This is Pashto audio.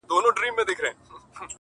چي تمام دېوان یې له باریکیو ډک دی -